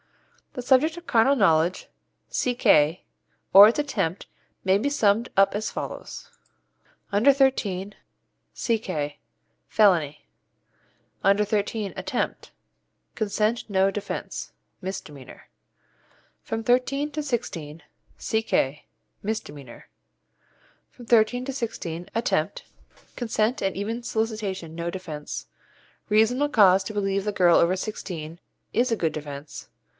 The subject of carnal knowledge (C.K.) or its attempt may be summed up as follows: Under thirteen C.K. Felony. Under thirteen Attempt Misdemeanour. Consent no defence. From thirteen to sixteen C.K. Misdemeanour. From thirteen to sixteen Attempt Misdemeanour. Consent and even solicitation no defence. Reasonable cause to believe the girl over sixteen is a good defence.